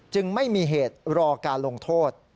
ไม่มีเหตุรอการลงโทษ